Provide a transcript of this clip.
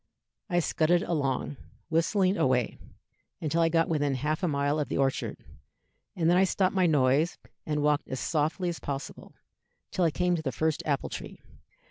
I scudded along, whistling away, until I got within half a mile of the orchard, and then I stopped my noise and walked as softly as possible, till I came to the first apple tree.